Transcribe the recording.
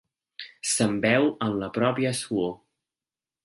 S'embeu en la pròpia suor.